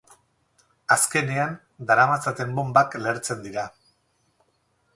Azkenean, daramatzaten bonbak lehertzen dira.